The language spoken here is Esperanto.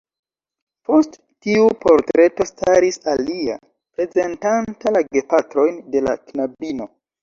Post tiu portreto staris alia, prezentanta la gepatrojn de la knabino.